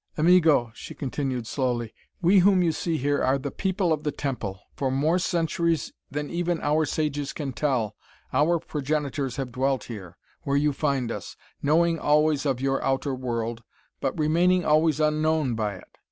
"Amigo," she continued slowly, "we whom you see here are the People of the Temple. For more centuries than even our sages can tell, our progenitors have dwelt here, where you find us, knowing always of your outer world, but remaining always unknown by it.